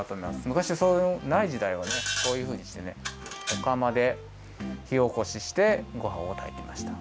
昔はそうないじだいはねこういうふうにしてねおかまでひおこししてごはんをたいていました。